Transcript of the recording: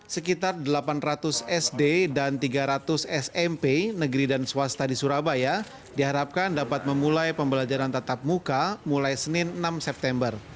sekitar delapan ratus sd dan tiga ratus smp negeri dan swasta di surabaya diharapkan dapat memulai pembelajaran tatap muka mulai senin enam september